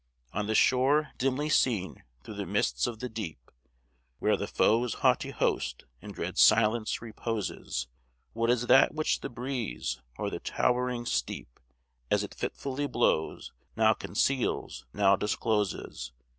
On the shore, dimly seen through the mists of the deep, Where the foe's haughty host in dread silence reposes, What is that which the breeze, o'er the towering steep, As it fitfully blows, now conceals, now discloses?